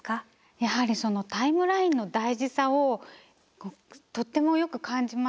やはりタイムラインの大事さをとってもよく感じました。